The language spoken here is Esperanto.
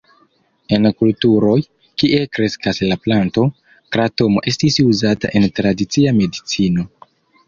En kulturoj, kie kreskas la planto, kratomo estis uzata en tradicia medicino.